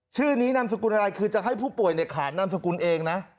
ชื่อนี้นามสกุลอะไรคือจะให้ผู้ป่วยขานนามสกุลเองนะ